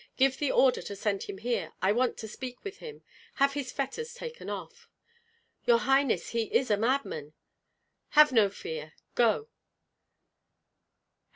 Give the order to send him here. I want to speak with him. Have his fetters taken off." "Your highness, he is a madman." "Have no fear, go!"